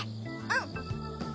うん。